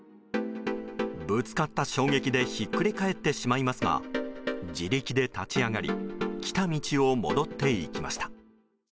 ぶつかった衝撃でひっくり返ってしまいますが自力で立ち上がり来た道を戻っていきました。